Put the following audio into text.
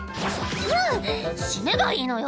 ふんっ死ねばいいのよ。